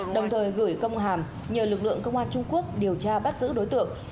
đồng thời gửi công hàm nhờ lực lượng công an trung quốc điều tra bắt giữ đối tượng